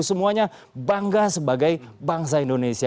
semuanya bangga sebagai bangsa indonesia